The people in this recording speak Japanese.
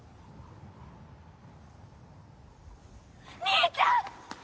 兄ちゃん！